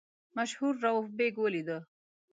مشهور رووف بېګ ولیدی.